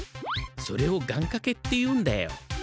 それを願かけっていうんだよ。